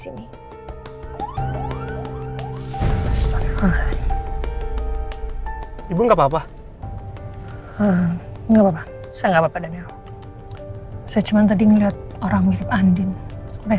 nah saya coba telfon al deh